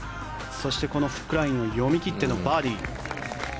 そしてこのフックラインを読み切ってのバーディー。